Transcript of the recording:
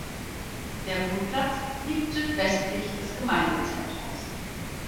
Der Wohnplatz liegt südwestlich des Gemeindezentrums.